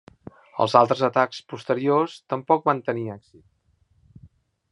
Altres atacs posteriors tampoc van tenir èxit.